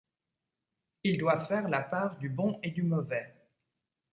Ils doivent faire la part du bon et du mauvais.